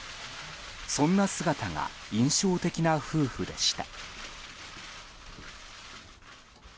そんな姿が印象的な夫婦でした。